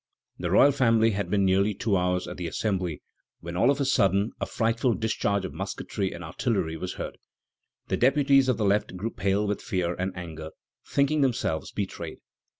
The royal family had been nearly two hours at the Assembly when all of a sudden a frightful discharge of musketry and artillery was heard. The deputies of the left grew pale with fear and anger, thinking themselves betrayed.